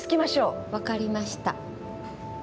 分かりました。